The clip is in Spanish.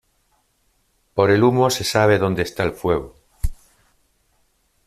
Por el humo se sabe donde está el fuego.